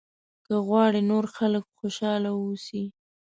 که غواړې نور خلک خوشاله واوسي.